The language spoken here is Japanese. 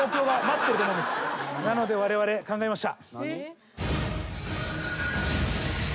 なのでわれわれ考えました。